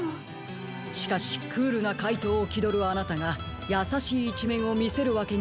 しかしクールなかいとうをきどるあなたがやさしいいちめんをみせるわけにはいかない。